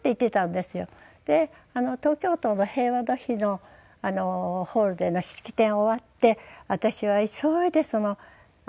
で東京都の平和の日のホールでの式典終わって私は急いでその。